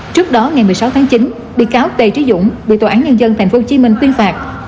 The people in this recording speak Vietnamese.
trước đó ngày một mươi sáu tháng chín bị cáo lê trí dũng bị tòa án nhân dân tp hcm tuyên phạt